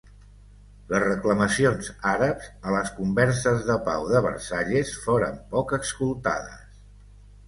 Les reclamacions àrabs a les converses de pau de Versalles foren poc escoltades.